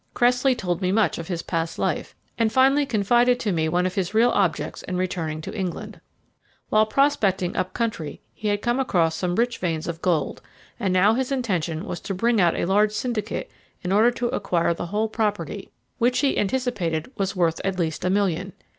Cressley told me much of his past life, and finally confided to me one of his real objects in returning to England. While prospecting up country he had come across some rich veins of gold, and now his intention was to bring out a large syndicate in order to acquire the whole property, which, he anticipated, was worth at least a million.